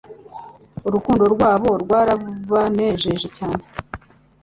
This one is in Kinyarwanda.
Urugendo rwabo rwarabanejeje cyane.